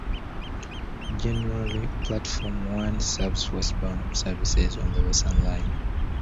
Generally Platform One serves westbound services on the Western Line.